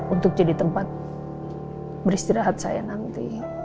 untuk jadi tempat beristirahat saya nanti